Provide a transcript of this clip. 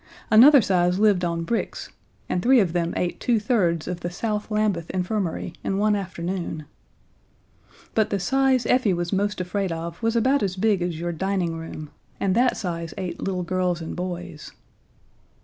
Another size lived on bricks, and three of them ate two thirds of the South Lambeth Infirmary in one afternoon. But the size Effie was most afraid of was about as big as your dining room, and that size ate little girls and boys.